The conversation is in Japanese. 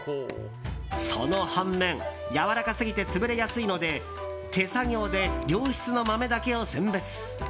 その反面、やわらかすぎて潰れやすいので手作業で良質の豆だけを選別。